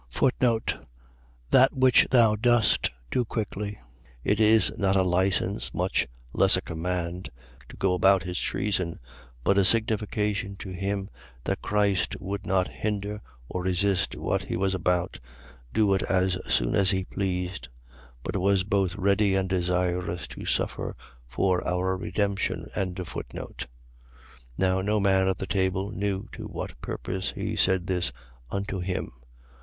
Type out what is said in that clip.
That which thou dost, do quickly. . .It is not a license, much less a command, to go about his treason: but a signification to him that Christ would not hinder or resist what he was about, do it as soon as he pleased: but was both ready and desirous to suffer for our redemption. 13:28. Now no man at the table knew to what purpose he said this unto him.